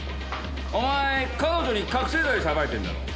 お前彼女に覚せい剤さばいてるんだろ？